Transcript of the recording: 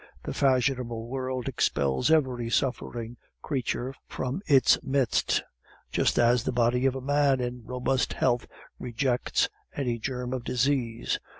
The fashionable world expels every suffering creature from its midst, just as the body of a man in robust health rejects any germ of disease.